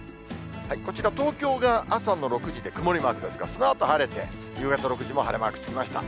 こちら、東京が朝の６時で曇りマークですが、そのあと晴れて、夕方６時も晴れマークつきました。